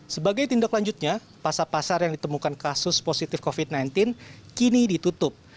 sebagai tindak lanjutnya pasar pasar yang ditemukan kasus positif covid sembilan belas kini ditutup